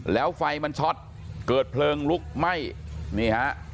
แล้วไฟมันช็อตเกิดเพลิงลุกไหม้นี่ฮะ